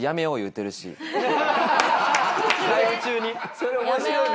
それ面白いな。